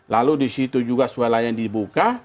lalu di situ juga swalayan dibuka